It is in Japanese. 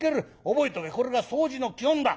覚えとけこれが掃除の基本だ。